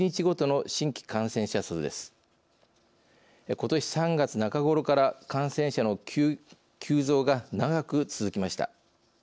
ことし３月中ごろから感染者の急増が長く続きました。